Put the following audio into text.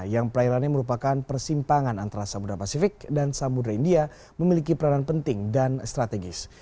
yang perairannya merupakan persimpangan antara samudera pasifik dan samudera india memiliki peranan penting dan strategis